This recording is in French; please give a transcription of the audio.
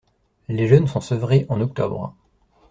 Les jeunes sont sevrés en octobre.